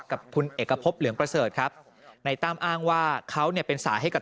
กับคุณเอกพบเหลืองประเสริฐครับในตั้มอ้างว่าเขาเนี่ยเป็นสายให้กับ